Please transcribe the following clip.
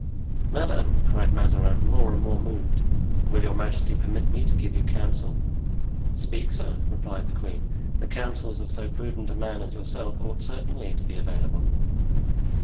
"Madame," cried Mazarin, more and more moved, "will your majesty permit me to give you counsel?" "Speak, sir," replied the queen; "the counsels of so prudent a man as yourself ought certainly to be available."